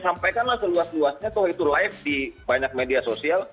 sampaikanlah seluas luasnya toh itu live di banyak media sosial